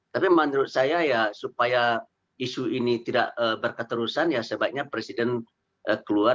tapi menurut saya ya supaya isu ini tidak berketerusan ya sebaiknya presiden keluar